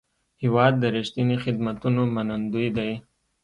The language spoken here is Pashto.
هېواد د رښتیني خدمتونو منندوی دی.